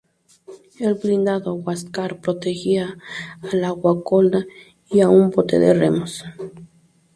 El blindado "Huáscar" protegía a la "Guacolda" y a un bote de remos.